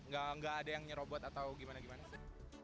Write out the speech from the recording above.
gak ada yang nyerobot atau gimana gimana sih